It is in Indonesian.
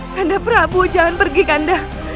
kanda prabu jangan pergi kanda